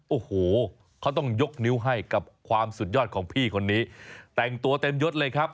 โอ้โหเขาต้องยกนิ้วให้กับความสุดยอดของพี่คนนี้แต่งตัวเต็มยดเลยครับ